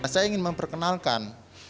saya ingin memperkenalkan